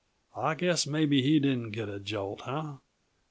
I guess maybe he didn't get a jolt, huh?